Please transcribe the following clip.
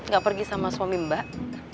gak pergi sama suami mbak